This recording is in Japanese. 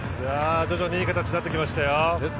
徐々にいい形になってきましたよ。